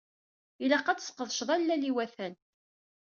Ilaq ad tesqedceḍ allal iwatan.